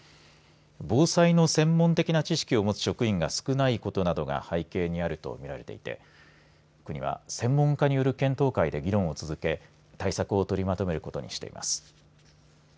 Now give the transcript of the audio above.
防災の専門的な知識を持つ職員が少ないことなどが背景にあると見られていて国は専門家による検討会で議論を続け対策を取りまとめることにしています。